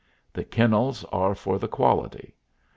The kennels are for the quality.